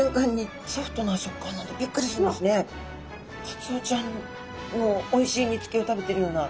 カツオちゃんのおいしいにつけを食べてるような。